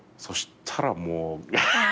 そしたらもう。